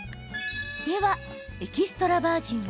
では、エキストラバージンは。